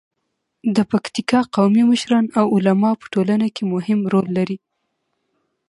د پکتیکا قومي مشران او علما په ټولنه کې مهم رول لري.